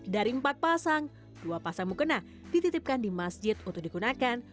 dari empat pasang dua pasang mukena dititipkan di masjid untuk digunakan